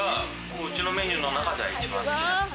うちのメニューの中では一番好き。